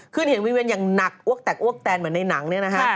เห็นวิเวียนอย่างหนักอ้วกแตกอ้วกแตนเหมือนในหนังเนี่ยนะฮะ